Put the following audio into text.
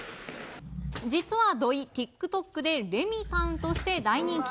実は土井、ＴｉｋＴｏｋでレミたんとして大人気。